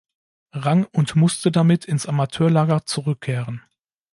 Rang und musste damit ins Amateurlager zurückkehren.